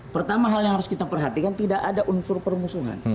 pertama hal yang harus kita perhatikan tidak ada unsur permusuhan